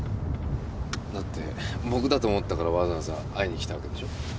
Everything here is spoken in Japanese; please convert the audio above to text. だって僕だと思ったからわざわざ会いに来たわけでしょう。